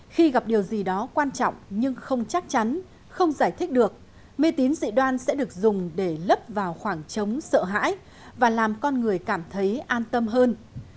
khi gặp điều gì đó quan trọng nhưng không chắc chắn không giải thích được mê tín dị đoan sẽ được dùng để lấp vào khoảng trống sợ hãi và làm con người cảm thấy an tâm hơn